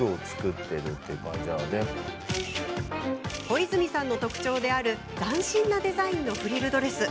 小泉さんの特徴である斬新なデザインのフリルドレス。